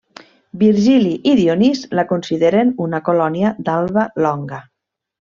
Virgili i Dionís la consideren una colònia d'Alba Longa.